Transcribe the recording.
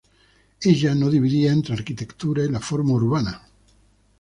Ella no dividía entre arquitectura y la forma urbana.